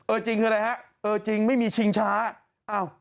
จริงคืออะไรฮะเออจริงไม่มีชิงช้าอ้าว